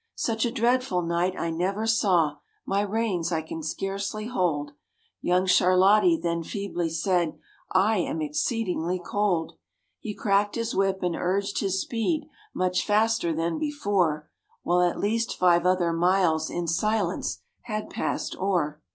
"Such a dreadful night I never saw, my reins I can scarcely hold." Young Charlottie then feebly said, "I am exceedingly cold." He cracked his whip and urged his speed much faster than before, While at least five other miles in silence had passed o'er.